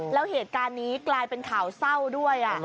แล้วเหตุการณ์นี้กลายเป็นข่าวเศร้าด้วย